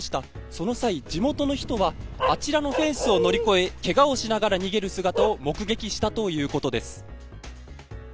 その際、地元の人はあちらのフェンスを乗り越えけがをしながら逃げる姿を目撃したということです。